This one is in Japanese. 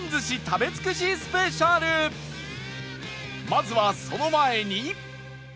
まずはその前に